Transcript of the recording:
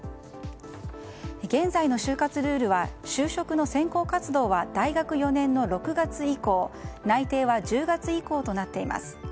現在の就活ルールは就職の選考活動は大学４年の６月以降内定は１０月以降となっています。